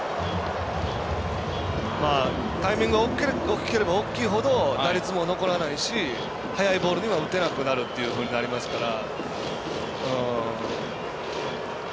タイミングは大きければ大きいほど打率も残らないし速いボールには打てなくなるっていうふうになりますから。